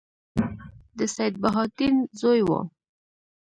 د سیدبهاءالدین زوی وو.